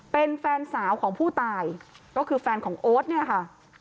เป็นแฟนสาวของผู้ตายก็คือแฟนของโอ๊ตเนี่ยค่ะ